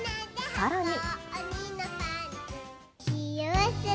さらに。